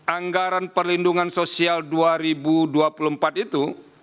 anggaran perlindungan sosial dua ribu dua puluh empat itu